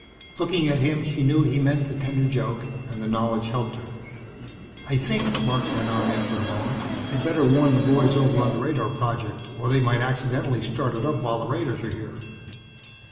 Looking at him she knew he meant the tender joke and the knowledge helped her. "I think," Marc went on after a moment, "I'd better warn the boys over on the radar project or they might accidentally start it up while the raiders are here."